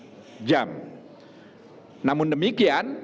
sebagai pengaturan dari saya